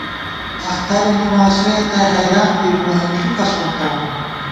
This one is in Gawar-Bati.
اخترَنی ماسویَہ تئ حېریان بی مُوئی انݪُکہ سونتَؤم